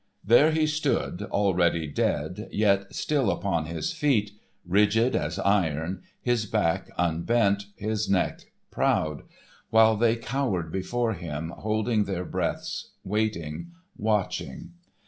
There he stood already dead, yet still upon his feet, rigid as iron, his back unbent, his neck proud; while they cowered before him holding their breaths waiting, watching.